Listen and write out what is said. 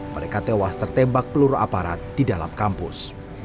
mereka tewas tertembak peluru aparat di dalam kampus